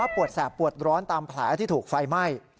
ปวดร้อนตามแผลที่ถูกไฟไหม้